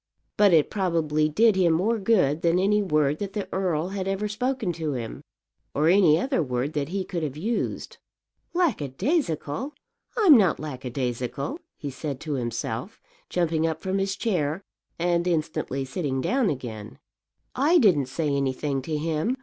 But it probably did him more good than any word that the earl had ever spoken to him, or any other word that he could have used. "Lackadaisical! I'm not lackadaisical," he said to himself, jumping up from his chair, and instantly sitting down again. "I didn't say anything to him.